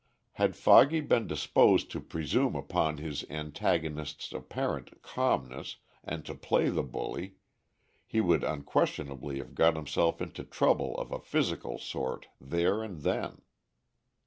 Had Foggy been disposed to presume upon his antagonist's apparent calmness and to play the bully, he would unquestionably have got himself into trouble of a physical sort there and then.